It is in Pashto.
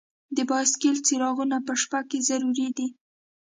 د بایسکل څراغونه په شپه کې ضرور دي.